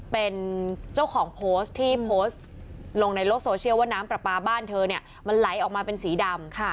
เป็นเจ้าของโพสต์ที่โพสต์ลงในโลกโซเชียลว่าน้ำปลาปลาบ้านเธอเนี่ยมันไหลออกมาเป็นสีดำ